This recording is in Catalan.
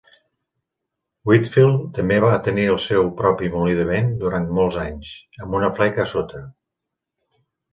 Whitfield també va tenir el seu propi molí de vent durant molts anys, amb una fleca a sota.